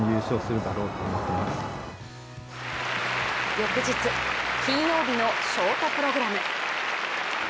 翌日、金曜日のショートプログラム。